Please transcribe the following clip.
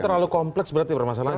terlalu kompleks berarti permasalahannya